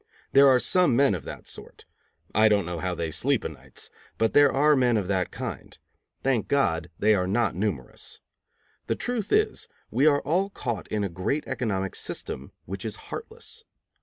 There are some men of that sort. I don't know how they sleep o' nights, but there are men of that kind. Thank God, they are not numerous. The truth is, we are all caught in a great economic system which is heartless.